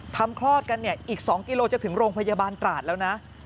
คลอดกันเนี่ยอีก๒กิโลจะถึงโรงพยาบาลตราดแล้วนะ